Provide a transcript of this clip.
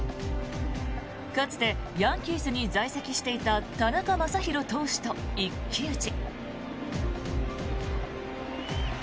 かつてヤンキースに在籍していた田中将大投手と一騎打ち。